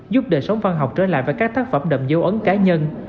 giúp đề sống văn học trở lại với các thác phẩm đậm dấu ấn cá nhân